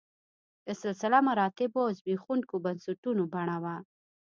د سلسله مراتبو او زبېښونکو بنسټونو بڼه وه